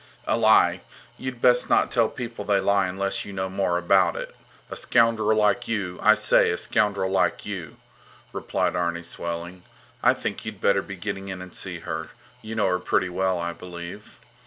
A lie! You'd best not tell people they lie unless you know more about it. A scoundrel like you, I say, a scoundrel like you! replied Arni, swelling. I think you'd better be getting in and see her. You know her pretty well, I believe.